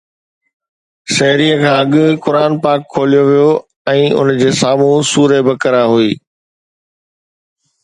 سحري کان اڳ قرآن پاڪ کوليو ويو ۽ ان جي سامهون سوره بقره هئي.